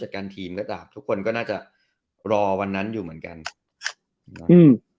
ก็ดาบทุกคนก็น่าจะรอวันนั้นอยู่เหมือนกันหืม